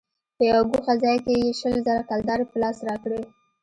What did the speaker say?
په يوه گوښه ځاى کښې يې شل زره کلدارې په لاس راکړې.